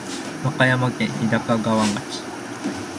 和歌山県日高川町